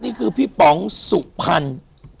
นี่คือพี่ปลองสุภัณฑ์ที่วันนี้ขอบคุณมาก